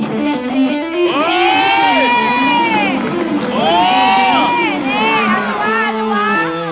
พบมือให้หน่านห้าเด็กเองโคราของเรามึง